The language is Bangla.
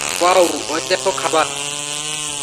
ওয়াও, ঐ দেখো, খাবার!